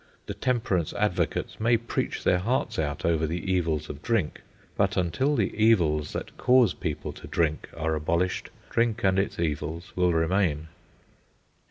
The temperance advocates may preach their hearts out over the evils of drink, but until the evils that cause people to drink are abolished, drink and its evils will remain.